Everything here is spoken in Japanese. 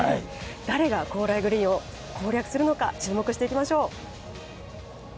誰が高麗グリーンを攻略するのか、注目していきましょう。